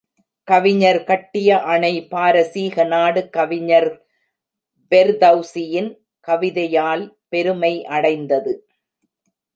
கவிஞர் கட்டிய அணை பாரசீக நாடு கவிஞர் பெர்தெளசியின் கவிதையால் பெருமை அடைந்தது.